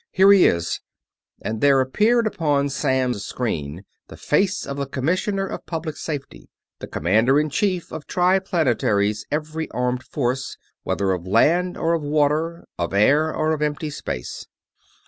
Here he is," and there appeared upon Samms' screen the face of the Commissioner of Public Safety, the commander in chief of Triplanetary's every armed force; whether of land or of water, of air or of empty space.